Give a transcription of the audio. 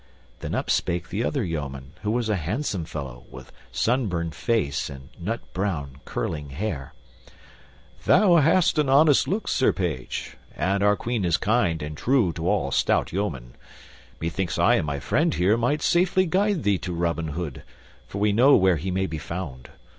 Then up spake the other yeoman, who was a handsome fellow with sunburned face and nut brown, curling hair, "Thou hast an honest look, Sir Page, and our Queen is kind and true to all stout yeomen. Methinks I and my friend here might safely guide thee to Robin Hood, for we know where he may be found.